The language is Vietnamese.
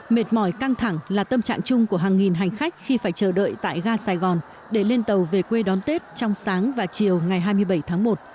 mệt mỏi căng thẳng là tâm trạng chung của hàng nghìn hành khách khi phải chờ đợi tại ga sài gòn để lên tàu về quê đón tết trong sáng và chiều ngày hai mươi bảy tháng một